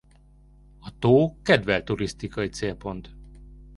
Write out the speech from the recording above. A tó kedvelt turisztikai célpont.